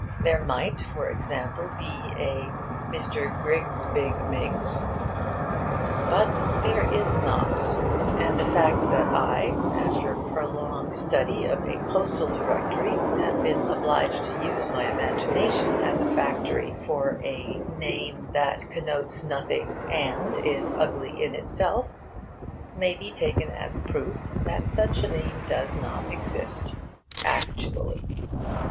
There might, for example, be a Mr. Griggsbiggmiggs. But there is not. And the fact that I, after prolonged study of a Postal Directory, have been obliged to use my imagination as factory for a name that connotes nothing and is ugly in itself may be taken as proof that such names do not exist actually.